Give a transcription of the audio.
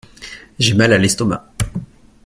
J’ai mal à l’estomac.